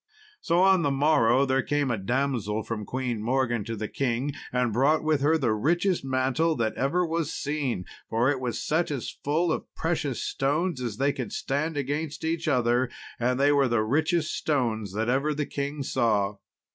So, on the morrow, there came a damsel from Queen Morgan to the king, and brought with her the richest mantle that ever was seen, for it was set as full of precious stones as they could stand against each other, and they were the richest stones that ever the king saw.